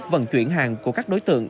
vận chuyển hàng của các đối tượng